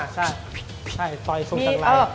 ใช่ต่อยชกตั้งไหล